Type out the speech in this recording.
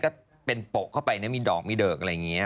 ก็เป็นโปะเข้าไปนะมีดอกมีเดิกอะไรอย่างนี้